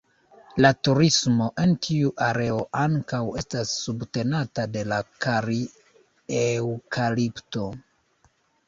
La turismo en tiu areo ankaŭ estas subtenata de la kari-eŭkalipto.